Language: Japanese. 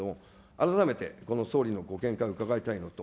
改めてこの総理のご見解を伺いたいなと。